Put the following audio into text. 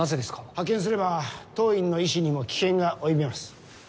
派遣すれば当院の医師にも危険が及びます。